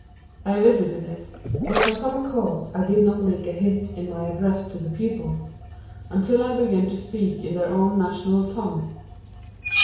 I visited it, but for some cause I did not make a hit in my address to the pupils until I began to speak in their own national tongue.